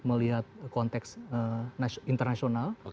melihat konteks internasional